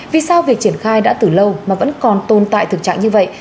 vì sao việc triển khai đã từ lâu mà vẫn còn tồn tại thực trạng như vậy